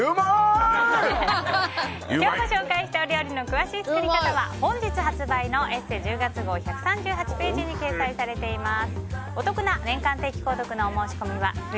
今日ご紹介したお料理の詳しい作り方は本日発売の「ＥＳＳＥ」１０月号の１３８ページに掲載されています。